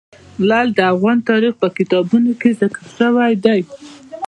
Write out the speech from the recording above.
لعل د افغان تاریخ په کتابونو کې ذکر شوی دي.